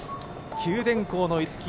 九電工の逸木